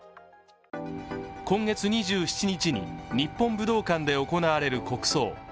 今月２７日に、日本武道館で行われる国葬。